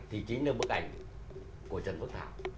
thì chính là bức ảnh của trần phước thảo